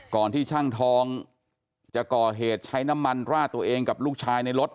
ที่ช่างทองจะก่อเหตุใช้น้ำมันราดตัวเองกับลูกชายในรถ